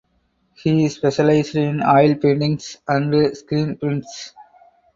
He specialized in oil paintings and screen prints.